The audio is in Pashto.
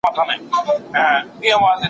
ټولنپوهنه د انسانانو رفتارد مطالعې علم دی.